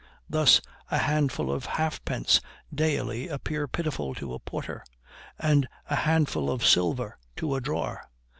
Thus, a handful of halfpence daily appear pitiful to a porter, and a handful of silver to a drawer.